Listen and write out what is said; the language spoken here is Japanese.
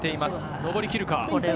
上りきるか。